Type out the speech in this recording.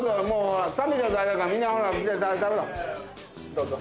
どうぞ。